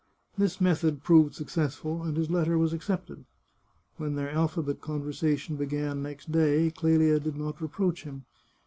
This method proved successful, and his letter was accepted. When their alphabet conversation began next day Clelia did not reproach him.